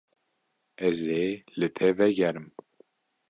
Ez ê li te vegerim.